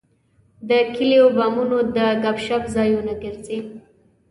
د کلیو بامونه د ګپ شپ ځایونه ګرځي.